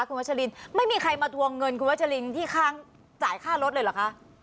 คุณวัชลินไม่มีใครมาทวงเงินคุณวัชลินที่ข้างจ่ายค่ารถเลยเหรอคะ